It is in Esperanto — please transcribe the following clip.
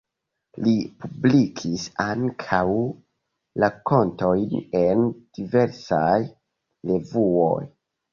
Li publikis ankaŭ rakontojn en diversaj revuoj.